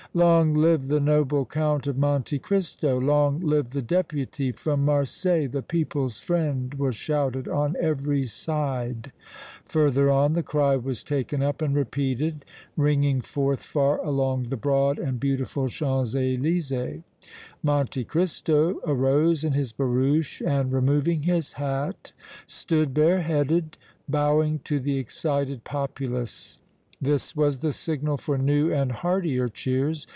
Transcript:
"Long live the noble Count of Monte Cristo! Long live the Deputy from Marseilles, the people's friend!" was shouted on every side. Further on the cry was taken up and repeated, ringing forth far along the broad and beautiful Champs Elysées! Monte Cristo arose in his barouche and, removing his hat, stood bareheaded, bowing to the excited populace. This was the signal for new and heartier cheers.